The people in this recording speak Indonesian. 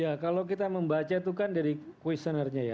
ya kalau kita membaca itu kan dari questionnai ya